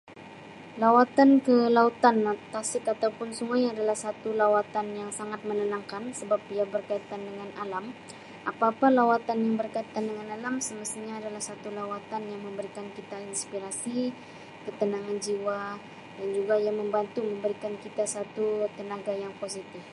Lawatan ke lautan, ta-tasik ataupun sungai adalah satu lawatan yang sangat menenangkan sebab ia berkaitan dengan alam, apa-apa lawatan yang berkaitan dengan alam semestinya adalah suatu lawatan yang memberikan kita inspirasi, ketenangan jiwa dan juga ia membantu memberikan kita satu tenaga yang positif.